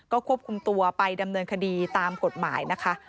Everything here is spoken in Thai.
ก็ควบคุมตัวไปดำเนินคดีตามกฎหมายนะคะ